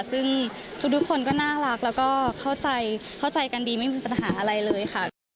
ซึ่งทุกคนก็น่ารักแล้วก็เข้าใจเข้าใจกันดีไม่มีปัญหาอะไรเลยค่ะ